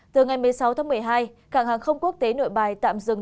từ ngày một mươi sáu tháng một mươi hai cảng hàng không quốc tế nội bài tạm dừng